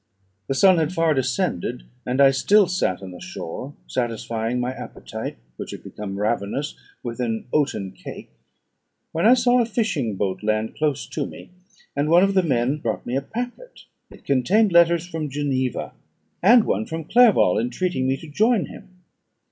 The sun had far descended, and I still sat on the shore, satisfying my appetite, which had become ravenous, with an oaten cake, when I saw a fishing boat land close to me, and one of the men brought me a packet; it contained letters from Geneva, and one from Clerval, entreating me to join him.